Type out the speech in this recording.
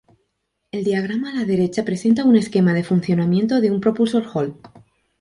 El diagrama a la derecha presenta un esquema de funcionamiento de un propulsor Hall.